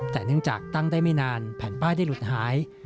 แต่เนื่องจากตั้งได้ไม่นานแผ่นป้ายได้หลุดหาย